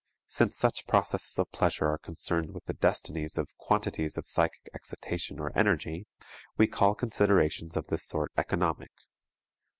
Since such processes of pleasure are concerned with the destinies of quantities of psychic excitation or energy, we call considerations of this sort economic.